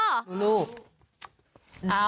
มีเวลาทำลายสูงขุมหมาย